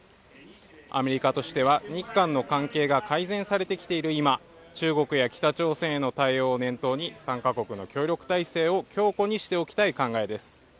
アメリカとしては日韓の関係が改善されてきている今、中国や北朝鮮への対応を念頭に３か国の協力体制を強固にしておきたい考えです。